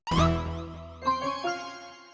tidak ada apa apa